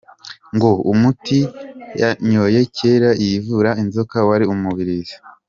Ngo umuti yanyoye kera yivura inzoka wari umubirizi.